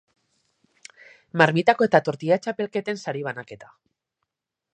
Marmitako eta tortilla txapelketen sari banaketa.